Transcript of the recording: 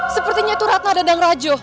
sepertinya itu ratna dan angrajo